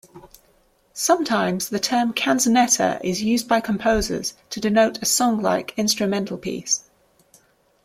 Sometimes the term canzonetta is used by composers to denote a songlike instrumental piece.